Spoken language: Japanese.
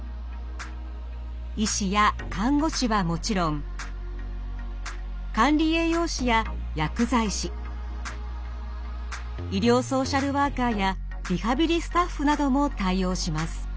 医師や看護師はもちろん管理栄養士や薬剤師医療ソーシャルワーカーやリハビリスタッフなども対応します。